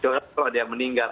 kalau ada yang meninggal